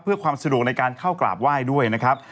เพื่อความสะดวกในการเข้ากราบไหว้ด้วยนะครับ